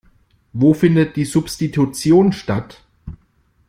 Wo findet die Substitution statt?